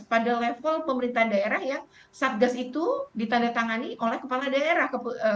pada level pemerintahan daerah yang satgas itu ditandatangani oleh kepala daerah